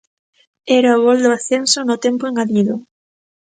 Era o gol do ascenso no tempo engadido.